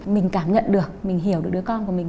mình cảm nhận được mình hiểu được đứa con của mình